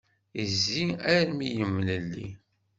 Yezzi armi yemlelli.